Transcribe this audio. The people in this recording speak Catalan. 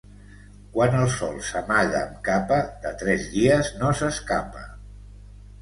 Quan el sol s'amaga amb capa, de tres dies no s'escapa.